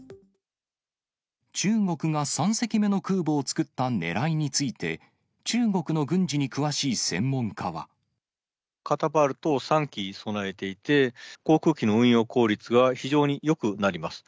中国が３隻目の空母を作ったねらいについて、中国の軍事に詳しいカタパルトを３基備えていて、航空機の運用効率が非常によくなります。